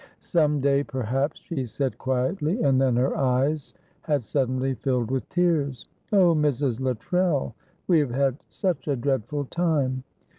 "Some day, perhaps," she said, quietly, and then her eyes had suddenly filled with tears. "Oh, Mrs. Luttrell, we have had such a dreadful time.